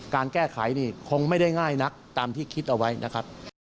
การแก้ไขนี่คงไม่ได้ง่ายนักตามที่คิดเอาไว้นะครับ